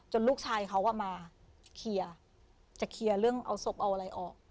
ลูกชายเขามาเคลียร์จะเคลียร์เรื่องเอาศพเอาอะไรออก